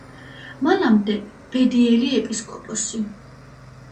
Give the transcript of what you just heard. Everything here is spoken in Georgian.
მანამდე ბედიელი ეპისკოპოსი.